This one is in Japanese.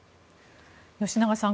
吉永さん